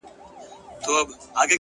هره ورځ د نوې تجربې دروازه ده